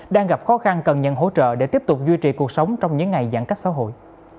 đang gặp khó khăn cần nhận hỗ trợ để tiếp tục duy trì cuộc sống trong những ngày giãn cách xã hội